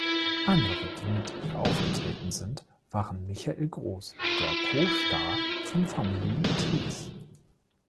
Andere, die mit ihr aufgetreten sind, waren Michael Gross, der Co-Star von „Family Ties“.